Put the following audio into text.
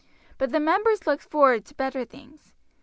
But the members looked forward to better things.